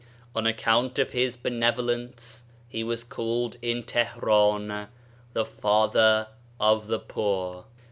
On account of his benevolence he was called, in Teheran, the " Father of the Poor.